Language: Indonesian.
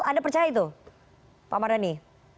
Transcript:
anda percaya itu pak mardhani